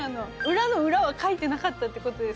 裏の裏はかいてなかったって事ですか？